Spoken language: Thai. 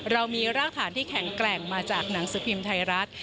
เรามีรากฐานที่แข็งแกร่งมาจากหนังสือพิมพ์ไทยรัฐ